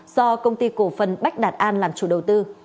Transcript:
do công ty cổ phần bách đạt an làm chủ đầu tư